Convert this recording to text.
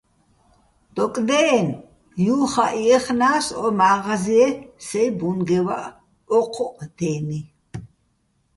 დოკდე́ჸენო̆ ჲუხაჸ ჲეხნა́ს ო მა́ღაზიე სეჲ ბუნგევაჸ ო́ჴუჸ დე́ნი.